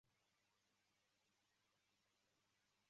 丰洲是东京都江东区的町名。